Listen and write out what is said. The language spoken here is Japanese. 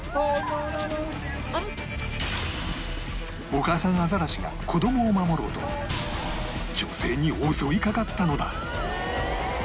お母さんアザラシが子どもを守ろうと女性に襲いかかったのだ